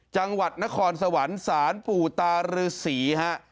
จังหวัดนครสวรรค์สารปู่ตารึสี